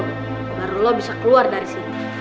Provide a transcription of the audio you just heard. baru lo bisa keluar dari sini